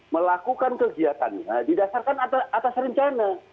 melakukan kegiatannya didasarkan atas rencana